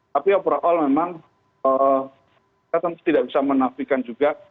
tapi overall memang kita tentu tidak bisa menafikan juga